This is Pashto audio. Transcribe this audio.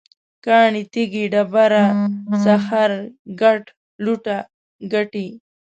کاڼی، تیږه، ډبره، سخر، ګټ، لوټه، ګټی